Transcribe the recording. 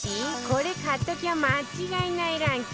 これ買っときゃ間違いないランキング